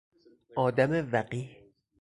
آدم وقیح